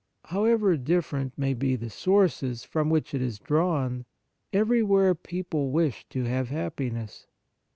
However different may be the sources from which it is drawn, everywhere people wish to have happiness.